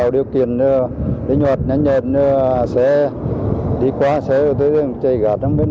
điều kiện linh hoạt nhanh nhật xe đi qua xe chạy gạt